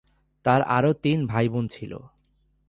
তাঁর আরও তিন ভাইবোন ছিল।